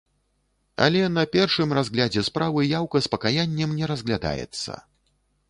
Але на першым разглядзе справы яўка з пакаяннем не разглядаецца.